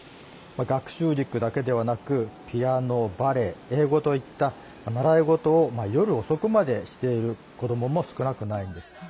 学習塾だけではなくピアノ、バレエ、英語といった習い事を夜遅くまでしている子どもも少なくないんです。